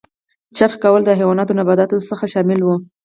چرخ کول له حیواناتو او نباتاتو څخه شامل و.